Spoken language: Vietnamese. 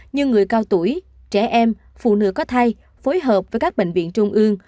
như người cao tuổi trẻ em phụ nữ có thai phối hợp với các bệnh viện trung ương